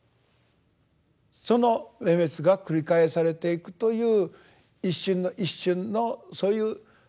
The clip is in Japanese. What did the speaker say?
その明滅が繰り返されていくという一瞬の一瞬のそういう「生滅」